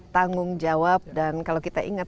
tanggung jawab dan kalau kita ingat